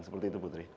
seperti itu putri